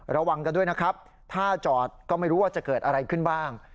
ระวังกันด้วยนะครับถ้าจอดก็ไม่รู้ว่าจะเกิดอะไรขึ้นบ้าง